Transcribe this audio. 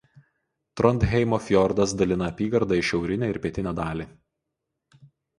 Trondheimo fjordas dalina apygardą į šiaurinę ir pietinę dalį.